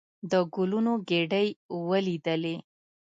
د ګلونو ګېدۍ ولېدلې.